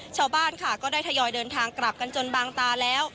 ชาวบ้านค่ะก็ได้ทยอยเดินทางกลับกันจนบางตาแล้ว